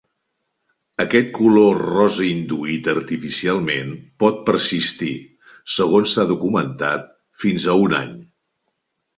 Aquest color rosa induït artificialment pot persistir, segons s'ha documentat, fins a un any.